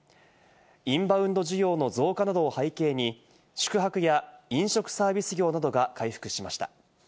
インバウンド需要の増加などを背景に、宿泊や飲食サービス業などが回復しました。